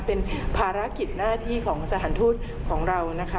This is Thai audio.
เป็นภารกิจหน้าที่ของสถานทูตของเรานะคะ